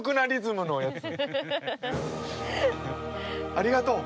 ありがとう！